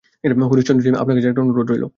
হরিশচন্দ্র জি, আপনার কাছে একটা অনুরোধ।